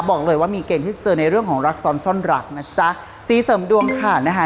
บอกเลยว่ามีเกณฑ์ที่เจอในเรื่องของรักซ้อนซ่อนรักนะจ๊ะสีเสริมดวงค่ะนะคะ